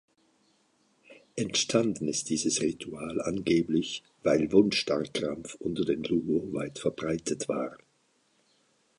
Entstanden ist dieses Ritual angeblich, weil Wundstarrkrampf unter den Luo weit verbreitet war.